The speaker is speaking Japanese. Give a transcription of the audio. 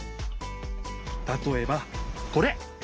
たとえばこれ！